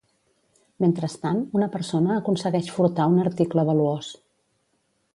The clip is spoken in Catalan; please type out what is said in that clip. Mentrestant, una persona aconsegueix furtar un article valuós.